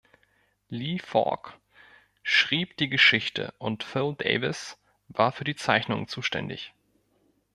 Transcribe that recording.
Lee Falk schrieb die Geschichten und Phil Davis war für die Zeichnungen zuständig.